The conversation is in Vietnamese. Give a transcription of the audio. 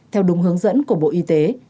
theo đúng hướng dẫn của bộ y tế